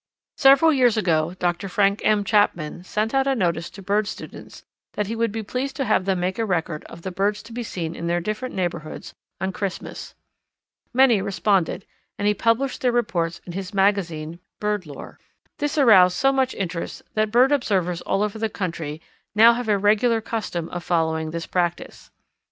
Several years ago Dr. Frank M. Chapman sent out a notice to bird students that he would be pleased to have them make a record of the birds to be seen in their different neighbourhoods on Christmas. Many responded, and he published their reports in his magazine Bird Lore. This aroused so much interest that bird observers all over the country now have a regular custom of following this practice.